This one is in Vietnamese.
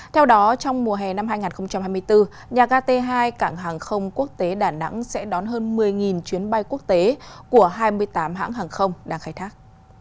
theo đó trong mùa hè năm hai nghìn hai mươi bốn nhà ga t hai cảng hàng không quốc tế đà nẵng sẽ đón hơn một mươi chuyến bay quốc tế của hai mươi tám hãng hàng không đang khai thác